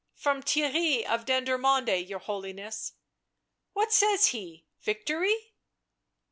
" From Theirry of Dendermonde, your Holiness." "What says he — victory?"